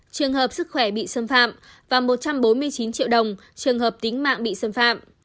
trường hợp sức khỏe bị xâm phạm và một trăm bốn mươi chín triệu đồng trường hợp tính mạng bị xâm phạm